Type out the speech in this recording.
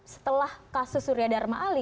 setelah kasus surya dharma ali